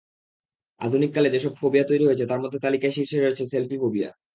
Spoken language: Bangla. আধুনিককালে যেসব ফোবিয়া তৈরি হয়েছে তার মধ্যে তালিকায় শীর্ষে রয়েছে সেলফিফোবিয়া।